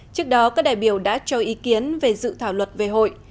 trước đó các đại biểu đã cho ý kiến về dự thảo luật về hội